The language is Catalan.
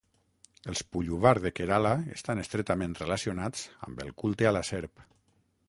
Els pulluvar de Kerala estan estretament relacionats amb el culte a la serp.